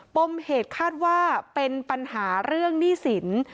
ปมเหตุคาดว่าเป็นปัญหาเรื่องหนี้สิน